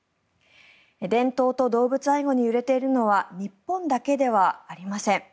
伝統と動物愛護に揺れているのは日本だけではありません。